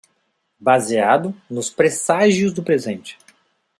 Baseado nos presságios do presente.